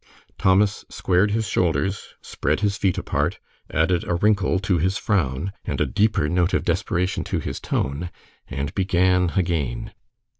Thomas squared his shoulders, spread his feet apart, added a wrinkle to his frown, and a deeper note of desperation to his tone, and began again.